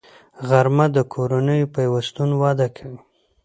غرمه د کورنیو پیوستون وده کوي